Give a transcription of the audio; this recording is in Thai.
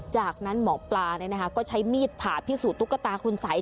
จากนั้นหมอปลาก็ใช้มีดผ่าพิสูจนตุ๊กตาคุณสัย